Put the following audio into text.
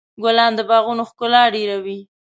ګلان د باغونو ښکلا ډېروي.